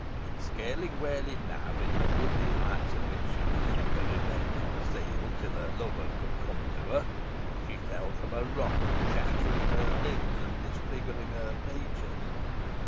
In scaling Whalley Nab, in the woody heights of which she was to remain concealed till her lover could come to her, she fell from a rock, shattering her limbs, and disfiguring her features.